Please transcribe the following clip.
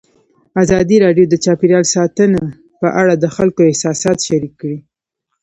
ازادي راډیو د چاپیریال ساتنه په اړه د خلکو احساسات شریک کړي.